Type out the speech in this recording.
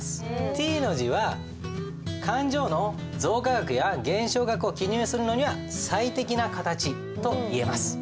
Ｔの字は勘定の増加額や減少額を記入するのには最適な形といえます。